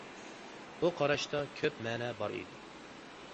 بۇ قاراشتا كۆپ مەنە بار ئىدى.